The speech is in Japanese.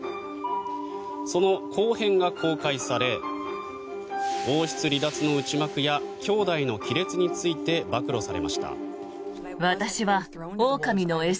その後編が公開され王室離脱の内幕や兄弟の亀裂について暴露されました。